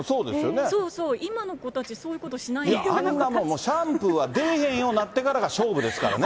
そうそう、今の子たち、そうあんなもん、シャンプーは出えへんようになってから勝負ですからね。